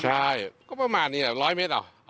ใช่ก็ประมาณนี้แหละ๑๐๐เมตรเหรอ